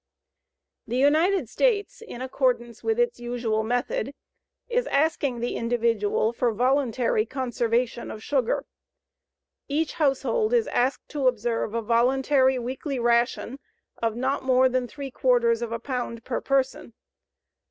The United States in accordance with its usual method is asking the individual for voluntary conservation of sugar. Each household is asked to observe a voluntary weekly ration of not more than three quarters of a pound per person.